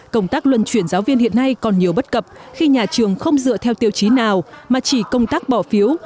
công tác luân chuyển giáo viên hiện nay còn nhiều bất cập khi nhà trường không dựa theo tiêu chí nào mà chỉ công tác bỏ phiếu